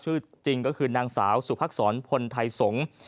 จริงก็คือนางสาวสุภักษรพลไทยสงศ์